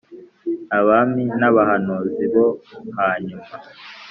Abami n’Abahanuzi bo hanyuma